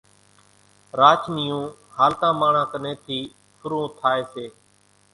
راچ نِيون هالتان ماڻۿان ڪنين ٿِي ڦُرون ٿائيَ سي۔